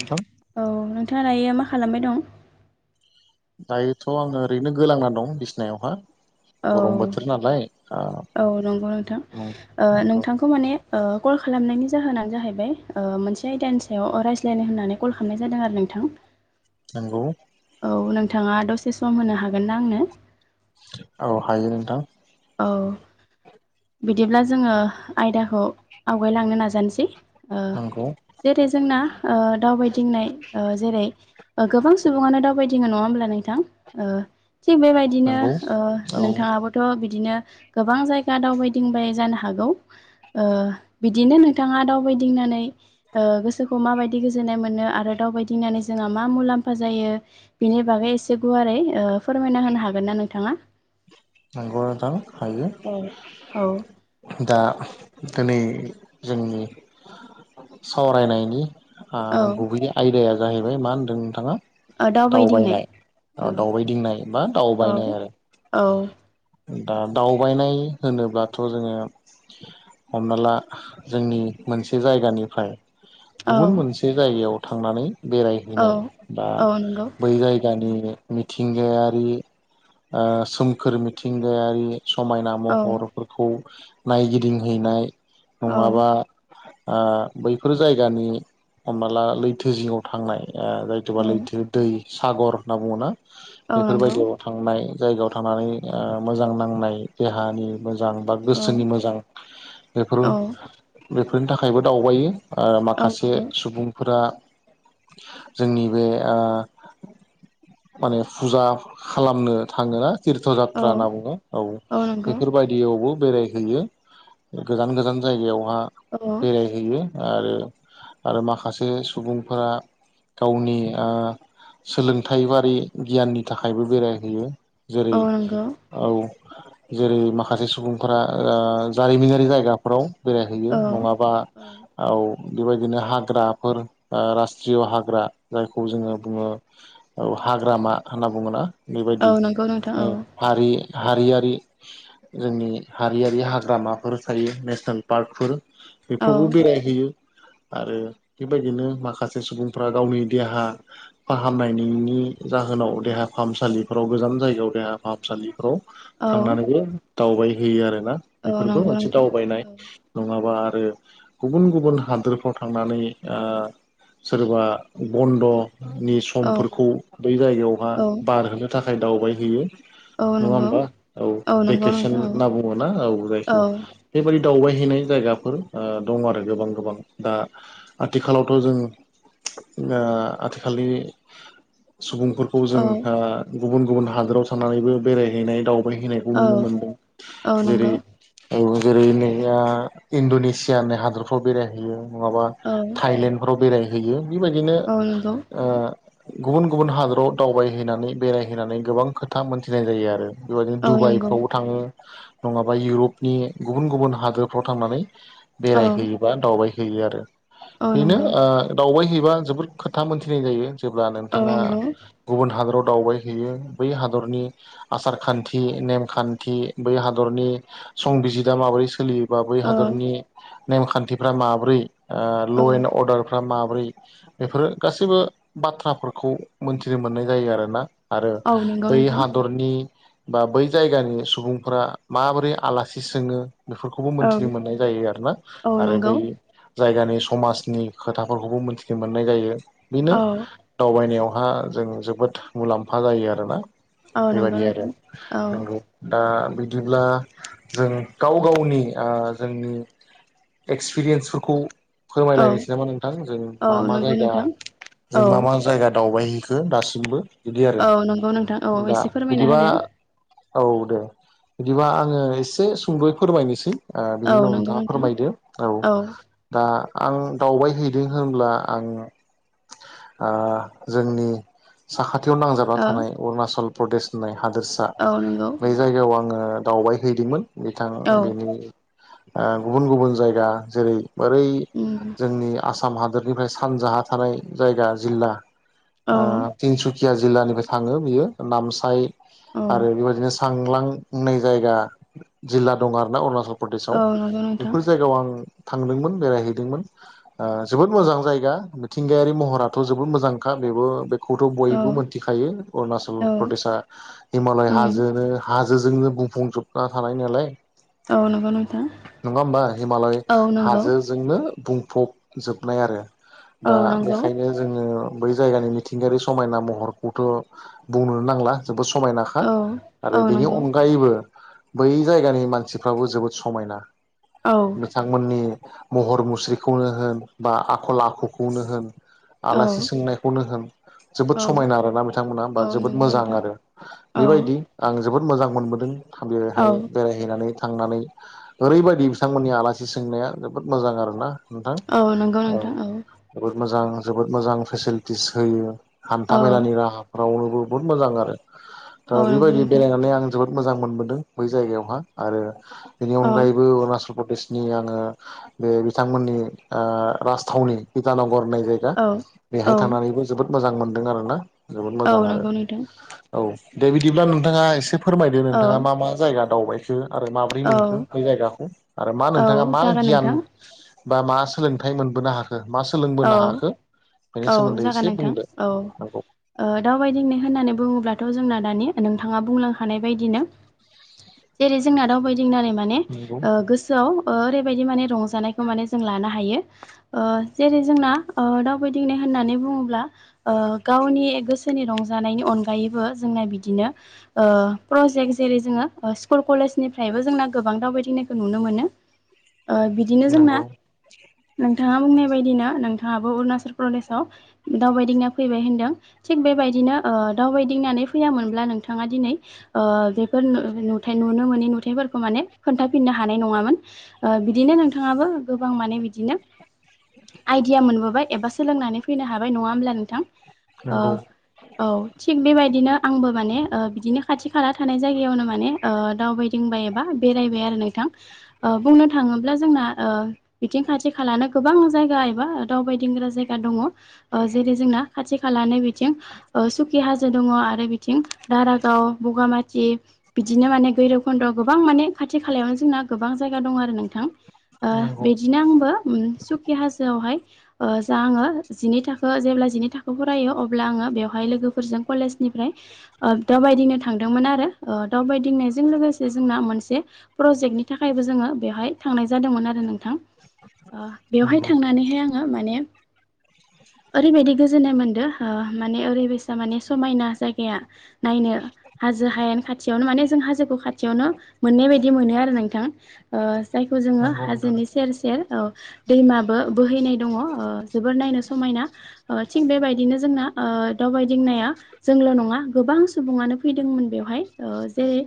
नोंथां औ नोंथाङा दायो मा खालामबाय दं? दायोथ' आङो ओरैनो गोलांना दं बिसिनायावहााय। औ औ नंगौ उम नोंथां नंगौ नोंथांखौ माने कल खालामनायनि जाहोनानो जाहैबाय मोनसे आयदानि सायाव रायज्लायनो होननानै कल खालामनाय जादों आरो नों थां नंगौ औ नोंथाङा दसे सम होनो हागोन ना आंनो? औ हायो नोंथां। औ बिदिब्ला जोङो आयदाखौ आवगायलांनो नाजानोसै। ओ नंगौ। जेरै जोंना दावबायदिंनाय जेरै गोबां सुबुङानो दावबाय। नङा होमबा नोंथां थिग बेबायदिनो नंगौ औ नोंथाङाबोथ' बि बिदिनो गोबां जायगा दावबायदिंबाय जानो हागौ ओ बिदिनो नोंथाङा दावबाय दिंनानै गोसोखौ माबायदि गोजोन्नाय मोनो आरो दावबायदिंनानै जोंहा मा मुलाम्फा जायो। बिनि बागै एसे गुवारै फोरमायना होनो हागोन ना नोंथाङा? नंगौ नोंथां हायो औ औ दा दिनै जोंनि सावरायनायनि औ गुबै आयदाया जाहैबाय मा होनदों नोंथाङा? ओ दावबायदिंनाय दावबायनाय औ दावबायदिंनाय बा औ दावबायनाय आरो। औ दा दावबायनाय होनोब्लाथ' जोङो हमना ला जोंनि मोनसे जायगानिफ्राय औ गुबुन मोनसे जायगायाव थांनानै औ बेरायहैनाय बा औ नंगौ बै जायगानि मिथिंगायारि ओ सोमखोर मिथिंगायारि समायना औ महरफोरखौ नायगिदिंहैनाय औ नङाबा ओ बैफोर जायगानि हमना ला लैथो जिङाव थांनाय। ओ जायथुबा औ लैथो दै सागर होनना बुङ ना औ नंगौ बेफोरबायदियाव थांनाय। जायगायाव थांनानै ओ मोजां नांनाय देहानि मोजां बा औ गोसोनि मोजां बेफोर औ बेफोरनि थाखायबो दावबायो। ओ औ माखासे नंगौ सुबुंफोरा जोंनि बे ओ माने फुजा खालामनो थाङोना तिर औ बाथ्रा होनना बुङो औ बेफोरबायदियावबो बेरायहैयो गोजान गोजान जायगायाव। बा औ बेरायहैयो आरो आरो माखासे सुबुंफोरा गावनि ओ सोलोंथाइ बारि गियाननि थाखायबो बेरायहैयो। औ जेरै नंगौ औ जेरै माखासे सुबुंफोरा ओ जारिमिनारि जायगाफ्राव। बेरायहैयो औ नङाबा औ बेबायदिनो हाग्राफोर ओ राास्ट्रिय' हाग्रा जायखौ जोङो बुङो औ हाग्रामा होनना बुङोना बेबायदि औ नंगौ नोंथां औ हारियारि जोंनि हारियारि हाग्रामाफोर थायो नेसनेल पार्कफोर औ बेफ्रावबो बेरायहैयो आरो बेबायदिनो माखासे सुबुंफ्रा गावनि देहा फाहामनायनि नि जाहोनाव देहा फाहामसालिफोराव गोजान जायगायाव देहा फाहामसालिफ्राव औ थांनानै दावबायहैयो आरो औ बेफोरबो नंगौ मोनसे नोंथां दावबायनाय औ नङाबा ओ गुबुन गुबुन हादोरफ्राव थांनानै ओ सोरबा बन्द' नि औ समफोरखौ बै जायगायावहा औ बारहोनो थाखाय दावबायहैयो। औ नङा नंगौ होमबा औ नंगौ भेकेसन नोंथां औ होनना बुङो ना औ जायखौ बेबायदि दावबायहैनाय जायगाफोर ओ दं आरो गोबां गोबां दा आथिखालावथ' जों ओ आथिखालनि सुबुंफोरखौ जों औ ओ गुबुन गुबुन हादोराव थानानैबो बेरायहैनाय दाव हैनायखौ औ नुनो मोनदों औ जेरै नंगौ औ जेरै नैया इणड'नेसिया होननाय हादरफ्राव बेरायहैयो नङाबा औ थाइलेण्डफ्राव बेरायहैयो बेबायदिनो औ नंगौ ओ गुबुन गुबुन हादराव दावबायहैनानै बेरायहैनानै गोबां खोथा मोनथिनाय जायो आरो बेबायदिनो औ नंगौ दुबाइफ्रावबो थाङो नङाबा इउरपनि गुबुन गुबुन हादोरफ्राव थांनानै औ बेरायहैयोबा दावबाय हैयो आरो औ बेनो नंगौ ओ दावबायहैयो एबा जोबोर खोथा मोनथिनाय जायो जेब्ला औ नोंथाङा नंगौ गुबुन हादराव दावबाय हैैयो बै हादरनि आसारखान्थि नेमखान्थि बै हादरनि संबिजिदा माबाय सोलियोबा बै औ हादोरनि नेमखान्थिफ्रा माब्रै ओ औ ल' एण्ड अरदारफ्रा मा माबोरै बेफोरो गासैबो बाथ्राफोरखौ मोनथि मोननाय जायो आरोना आरो औ नंगौ बै नोंथां हादरनि बा बै जायगानि सुबुंफोरा माबोरै आलासि सोङो बेफोरखौबो औ मोनथिनो मोननाय जायो आरोना औ आरो नंगौ बै जायगानि समाजनि खोथाफोरखौबो मिथिनो मोननाय जायो बेनो औ दावबायनायाव आ जों जोबोद मुलाम्फा जायो आरोना औ नंगौ बेबायदि आरो नोंथां औ नंगौ दा बिदिब्ला जों गाव गावनि ओ जोंनि एक्सपिरियेन्सफोरखौ औ फोरमायलायनोसै नामा नोंथां जों औ मा मा नंगौ जायगा नोंथां जों औ मा मा जायगा दावबायहै खो दासिमबो बिदि आरो औ नंगौ नोंथां औ दा एसे फोरमायना बिदिबा होदो औ दे बिदिबा आङो एसे सुंद'य फोरमायनोसै ओ बिनि औ उनाव नंगौ नोंथाङा नोंथां फोरमायदो औ दा आं दावबायहैदों होनब्ला आं आ जोंनि साखाथियाव नांजाबना ओ थानाय अरुणाचल प्रदेश होननाय हादोरसा औ नंगौ बे जायगायाव आङो दावबाय हैैदोंमोन। बिथां औ बेनि ओ गुबुन गुबुन जायगा जेरै ओरै उम जोंनि आसाम हादोरनिफ्राय सानजाहा थानाय जायगा जिल्ला औ ओ तिनसुकिया जिल्लानिफ्राय थाङो बियो नामसाय औ आरो बेबायदिनो सांलां होननाय जायगा जिल्ला दङ आरोना अरुणाचल प्रदेशआव औ नंगौ नोंथां बेफोर जायगायाव आं थांदोंमोन बेरायहैदोंमोन ओ जोबोद मोजां जायगा मिथिंगायारि महराथ' जोबोद मोजांखा। बेबो बे खौथ' औ बयबो मिथिखायो अरुणचल औ प्रदेशआ हिमालय उम हाजोनो हाज जोंजोंनो बुंफुंजोबना थानाय नालाय औ नंगौ नोंथां नङा होमबा हिमालय औ नंगौ हाजोजोंनो बुं फबजोबनाय आरो औ दा नंगौ बेखायनो जोङो बै जायगानि मिथिंगायारि समायना महरखौथ' बुंनोनो नांला। जोबोद समायनाखा औ आरो औ बेनि नंगौ अनगायैबो बै जायगानि मानसिफ्राबो जोबोद समायना औ बिथांमोननि था महर मुस्रिखौनो होन बा आखल आखुखौनो होन औ आलासि सोंनायखौनो होन जोबोद औ समायना आरोना मि थांमोना बा औ जोबोद नंगौ मोजां नोंथां आरो औ बेबायदि आं जोबोद मोजां मोनबोदों। था औ बेहाय बेरायहैनानै थांनानै ओरैबायदि बिथांमोननि आलासि सोंनाया जोबोद मोजां आरोना नोंथां औ नंगौ औ नोंथां जोबोद मोजां। जोबोद मोजां फेसिलिटिस होयो हान्था औ मेलानि राहाफ्रावनोबो बहुद मोजां आरो दा औ नंगौ बेबायदि नोंथां बेरायनानै आं जोबोद मोजां मोनबोदों बै जायगायावहा आरो‌ बेनि औ अनगायैबो अरुणाचल प्रदेशनि आङो बे बिथांमोननि ओ राजथावनि बिदानाव बरनाय जायगा औ बेहाय औ थांनानैबो जोबोद मोजां मोनदों आरोना जोबोद मोजां औ आरो नंगौ नोंथां औ दे बिदिब्ला नोंथाङा एसे फोरमायदो औ नोंथाङा मा मा जायगा दावबायखो आरो माबोरै औ मोनखो बे जायगाखौ आरो मा औ नोंथाङा मा जागोन गियान नोंथां बा मा सोलोंथाइ मोनबोनो हाख खो मा औ सोलोंबोनो हाखो बेनि औ सोमोन्दै जागोन एसे नोंथां बुंदो औ नंगौ ओ दावबायदिंनाय होननानै बुङोब्लाथ' जोंना दानि नोंथाङा बुंलां खानाय बायदिनो जेरै जोंना दावबायदिंनानै माने नंगौ ओ गोसोआव ओ ओरैबायदि माने रंजानायखौ माने जों लानो हायो ओ जेरै जोंना ओ दावबायदिंनाय होननानै बुङोब्ला ओ गावनि गोसोनि रंजानायनि अन अनगायैबो जोंना बिदिनो ओ प्रजेक्ट जेरै जोङो ओ स्कुल कलेजनिफ्रायबो जोंना गो गोबां दावबायदिंनायखौ नुनो मोनो ओ बिदिनो जोंना नंगौ नोंथाङा बुंनाय हि ना नोंथाङाबो अरुणाचल प्रदेशआव दावबायदिंना फैबाय होनदों थिग बेबायदिनो ओ दावबायदिंनानै फैयामोनब्ला नोंथाङा दिनै ओ बेफोर नु नुथाय नुनो मोनि नुथायफोरखौ माने ने खोन्थाफिन्नो हानाय नङामोन। ओ बिदिनो नोंथाङाबो गोबां माने बिदिनो आइडिया मोनबोबाय एबास सोलोंनानै फैनो हाबाय नङा होमब्ला नोंथां औ नंगौ औ थिग बेबायदिनो आंबो माने ओ बिदिनो खाथि खाला थानाय जायगायावनो माने ओ दावबायदिंबाय एबा बेरायबाय आरो नोंथां। ओ बुंनो थाङोब्ला जोंना ओ बिथिं खाथि खालानो गोबां फोरा एबा ओ दावबायदिंग्रा जायगा दङ ओ जेरै जोंना खाथि खालानो बि थिं ओ सुकि हाजो दङ आरो बिथिं दारागाव बगामाथ जिब बिदिनो माने गैरब खुन्द' गोबां माने खाथि खालायावनो जोंना गोबां जायगा दं आरो नोंथां। ओ नंगौ बिदिनो आंबो उम सुख हाजोआव हाय ओ जा आङो जिनै थाखो जेब्ला जिनै थाखोआव फरायो अब्ला आङो बेवहाय लोगोफ फोरजों कलेजनिफ्राय ओब दावबायदिंनो थांदोंमोन आरो ओ दावबायदिंनायजों लोगोसे जोंना मोन से प्रजेक्टनि थाखायबो जोङो बेवहाय थांनाय जादोंमोन आरो नोंथां ओ बेवहाय नंगौ थांनानैहाय आङो माने ओरैबायदि गोजोननाय मोनदो। ओ माने ओरैबायसा माने समायना जायगाया। नायनो हाजो हायेन खाथियावनो माने जों हाजोखौ खाथियावनो मोननाय बायदि मोनो आरो नोंथां ओ जायखौ जोङो नंगौ नोंथां हाजोनि सेर सेर औ दैमाबो बोहैनाय दङ ओ जोबोर नायनो समायना ओ थिग बेबायदिनो जोंना ओ दावबायदिं नाया जोंल' नङा गोबां सुबुङानो फैदोंमोन बेवहाय ओ जेरै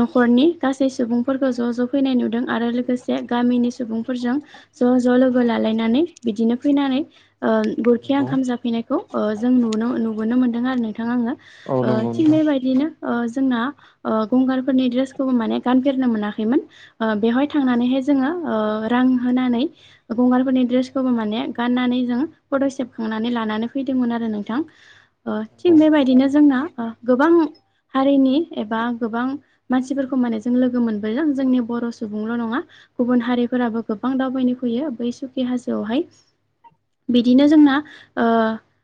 न'खरनि गासै सुबुं फोरखो ज' ज' फैनाय नुदों आरो लोगोसे गामिनि सुबुंफोरजों ज' ज ज' लोगो लालायनानै बिदिनो फैनानै ओ गुरखिया नंगौ ओंखाम जाफैनायखौ ओ जों नुनो [unintelligible] नुबोनो मोनदों आरो नोंथां आङो औ ओ नंगौ थिग नोंथां बेबायदिनो ओ ज जोंना ओ गंगारफोरनि ड्रेसखौबो माने गानफेरनो मोनाखैमोन ओ बेवहाय थांनानैहाय जोङो ओ रां होनानै ओ गंगारफोरनि ड्रेसखौबो माने गाननानै जों फट' सेबखांनानै लानानै फैदोंमोन आरो नोंथां। ओ नंगौ थिग बेबायदिनो जोंना ओ गोबां हारिनि एबा गोबां मानसिफोरखौ माने जों लोगो मोनबोदों जोंनि बर' सुबुंल' नङा गुबुन हारिफोराबो गोबां दावबायनो फैयो बै सुखि हाजोआवहाय। बिदिनो जोंना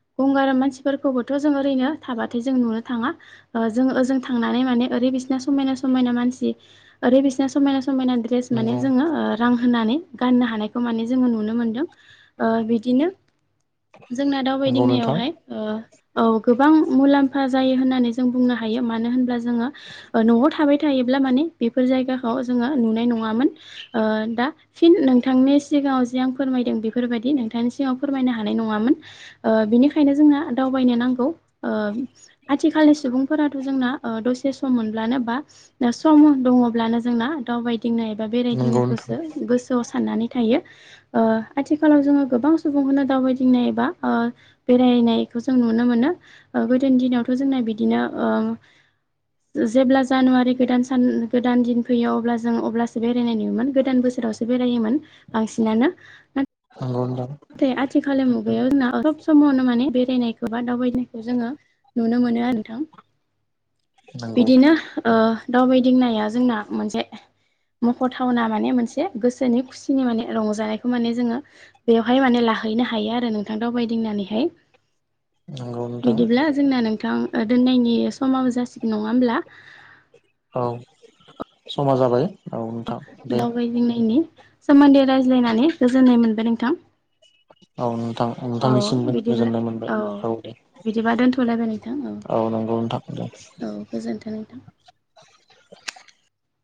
ओ गंगाराम मानसिफोरखौबोथ' जों ओरैनो थाबाथाय जों नुनो थाङा ओ जोङो ओजों थांनानै माने ओद रै बिसना समायना समायना मानसि ओरै बिसना समायना स समायना द्रेस माने नंगौ जोङो ओ रां होनानै गाननो हानाय खौ माने जोङो नुनो मोनदों ओ बिदिनो जोंना नंगौ नोंथां दावबायदिंनायावहाय ओ औ गोबां मुलाम फा जायो होन्नानै जों बुंनो हायो मानो होनब्ला जोङो ओ न'आव थाबाय थायोब्ला माने बेफोर जायगाखौ [unintelligible] ओजोङो नुनाय नङामोन ओ दा फिन नोंथांनिस सिगाङाव जे आं फोरमायदों बेफोरबायदि नोंथांनि सिगाङाव फोरमायनो हानाय नङामोन ओ बिनिखायनो जोंना दाउ बायनो नांगौ ओं आथिखालनि सुबुंफोराथ' जोंना ओ दसे सम मोनब्लानो बा ओ सम दङ'ब्लानो जोंना दावबायदिंनो एबा नंगौ नोंथां बेरायदिंनोखौसो गोसोआव साननानै थायो ओ आथिखालाव जोङो गोबां सुबुंखौनो दावबायदिंनाय एबा ओ बेरायनाय खौ जों नुनो मोनो ओ गोदोनि दिनावथ' जोंना बिदिनो ओं [unintelligible] जेब्ला जानुवारि गोदान सान ओ गोदान दिन फैयो अब्ला जों अब्लासो बेरायनाय नुयोमोन गोदान बोस सोरावसो बेरायोमोन बांसिनानो नाथ नंगौ नोंथां थाय आथिखालनि मुगायाव जोंना ओ सब समावनो माने बेरायनायखौ बा दावबायनायखौ जोङो नुनो मो मोनो [unintelligible] नोंथां। नंगौ बिदिनो औ ओह दावबायदिंनाया जोंना मोनसे मख'थावना माने मोनसे गोसोनि खुसिनि माने रंजानायखौ माने जोङो बेवहाय माने लाहैनो हायो आरो नोंथां दावबायदिंनानैहाय। नंगौ नोंथां बिदिब्ला जोंना नोंथां ओ दोननायनि समाबो जासिगोन नङा होमब्ला औ समा जाबाय। औ नोंथां [unintelligible] दे दावबायदिंनायनि सोमोन्दै रायज्लायनानै गोजोननाय मोनबाय नोंथां। [inaudible] औ नोंथां औ नोंथांनिसिमबो बिदिब्ला गोजोननाय मोनबाय औ दे बिदिबा दोनथ'लायबाय नोंथां औ नंगौ। नोंथां दे। औ गोजोन्थों नोंथां।